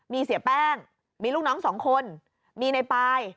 มีเสียแป้งมีลูกน้องสองคนมีในปาย